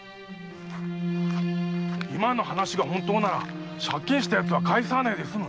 今の話が本当なら借金した人は返さねえで済む。